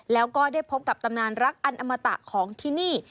แล้วก็ได้พบกับตำนานรักอันอมตะของที่นี่